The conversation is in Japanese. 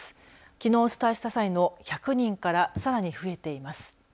きのうお伝えした際の１００人からさらに増えています。